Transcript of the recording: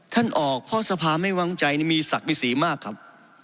ท่านออกเพราะสภาไม่วางใจมีศักดิ์วิสีมากครับ